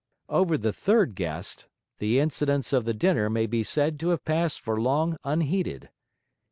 Over the third guest, the incidents of the dinner may be said to have passed for long unheeded.